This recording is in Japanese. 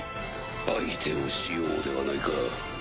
相手をしようではないか。